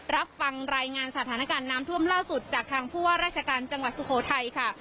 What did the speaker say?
รับฟังรายงานสถานการณ์น้ำท่วมล่าสุดจากทางผู้ว่าราชการจังหวัดสุโขทัยค่ะ